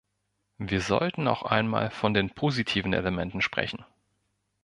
Wir sollten auch einmal von den positiven Elementen sprechen.